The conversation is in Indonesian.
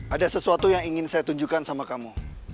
ada sesuatu yang ingin saya tunjukkan sama kamu